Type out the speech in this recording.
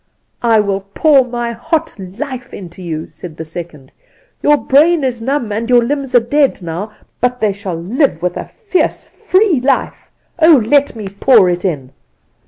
"'I will pour my hot life into you,' said the second; 'your brain is numb, and your limbs are dead now; but they shall live with a fierce free life. Oh, let me pour it in!